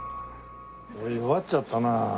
俺弱っちゃったな。